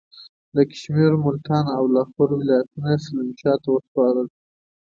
ده د کشمیر، ملتان او لاهور ولایتونه سلیم شاه ته وسپارل.